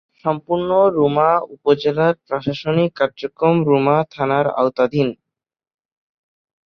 সম্পূর্ণ রুমা উপজেলার প্রশাসনিক কার্যক্রম রুমা থানার আওতাধীন।